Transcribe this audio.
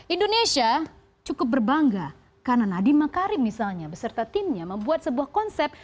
indonesia cukup berbangga karena nadiem makarim misalnya beserta timnya membuat sebuah konsep